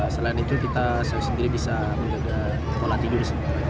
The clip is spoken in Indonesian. selain itu kita sendiri bisa menjaga pola tidur